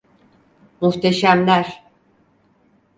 Muhteşemler.